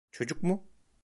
Çocuk mu?